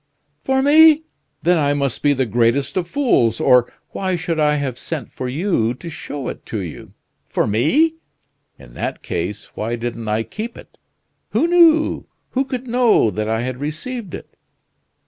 "For me! Then I must be the greatest of fools, or why should I have sent for you to show it you? For me? In that case, why didn't I keep it? Who knew, who could know that I had received it?"